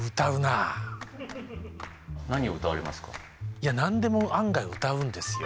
いや何でも案外歌うんですよ